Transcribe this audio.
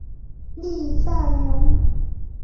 郦范人。